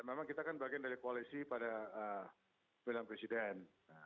dan memang kita kan bagian dari koalisi pada pemilang presiden